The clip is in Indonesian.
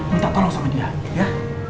minta tolong sama dia ya